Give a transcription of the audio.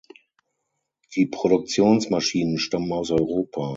Die Produktionsmaschinen stammen aus Europa.